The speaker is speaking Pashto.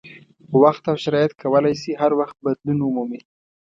وخت او شرایط کولای شي هر وخت بدلون ومومي.